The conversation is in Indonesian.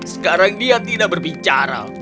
sekarang dia tidak berbicara